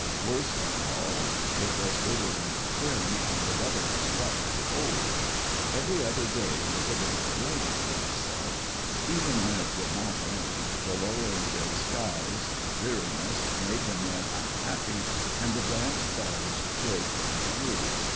Worse than all, it was early in the spring and the weather was wet and cold. "Every other day was a day of rain," Ross said. Even when it did not rain, the lowering gray skies, the dreariness, made the men unhappy, and the damp fogs chilled them through.